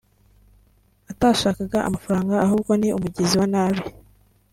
atashakaga amafaranga ahubwo ni umugizi wa nabi